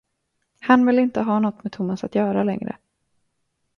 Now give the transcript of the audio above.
Han ville inte ha något med Thomas att göra längre.